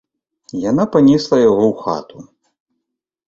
Яна панесла яго ў хату.